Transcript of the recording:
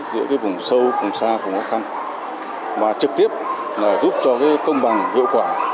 giữa cái vùng sâu vùng xa vùng khó khăn mà trực tiếp giúp cho công bằng hiệu quả